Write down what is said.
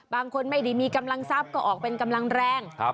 บางคนไม่ได้มีกำลังทรัพย์ก็ออกเป็นกำลังแรง